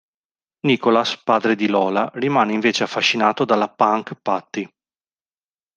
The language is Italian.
Nicholas, padre di Lola, rimane invece affascinato dalla "punk" Patty.